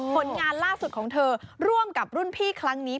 ผลงานล่าสุดของเธอร่วมกับรุ่นพี่ครั้งนี้